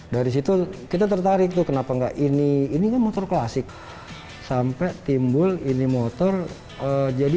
dari situ kita tertarik tuh kenapa enggak ini ini motor klasik sampai timbul ini motor jadi